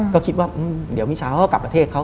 ก็คิดว่าเดี๋ยวมิชาเขาก็กลับประเทศเขา